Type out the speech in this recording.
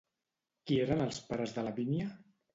Qui eren els pares de Lavínia?